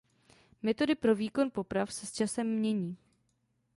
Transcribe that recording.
Metody pro výkon poprav se s časem mění.